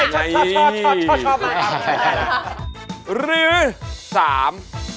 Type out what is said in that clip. ชอบมากับรถไม่ใช่ละ